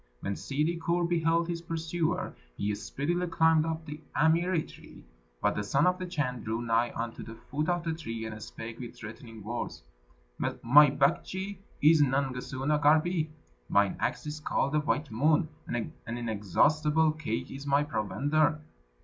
When Ssidi Kur beheld his pursuer, he speedily climbed up the amiri tree, but the Son of the Chan drew nigh unto the foot of the tree, and spake with threatening words: "My Baktschi is Nangasuna Garbi; mine axe is called the white moon; an inexhaustible cake is my provender.